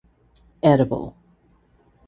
Edible.